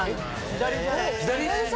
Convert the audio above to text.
左？